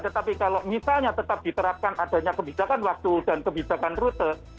tetapi kalau misalnya tetap diterapkan adanya kebijakan waktu dan kebijakan rute